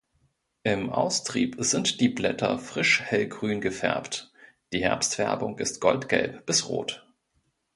Im Austrieb sind die Blätter frisch hellgrün gefärbt, die Herbstfärbung ist goldgelb bis rot.